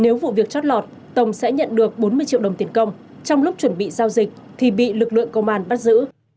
nếu vụ việc chót lọt tổng sẽ nhận được bốn mươi triệu đồng tiền công trong lúc chuẩn bị giao dịch thì bị lực lượng công an bắt giữ